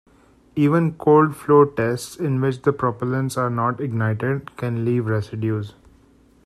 Even cold-flow tests, in which the propellants are not ignited, can leave residues.